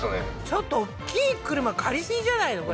ちょっとおっきい車借りすぎじゃないの？